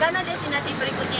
karena destinasi berikutnya